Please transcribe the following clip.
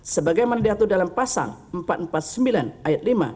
sebagaimana diatur dalam pasal empat ratus empat puluh sembilan ayat lima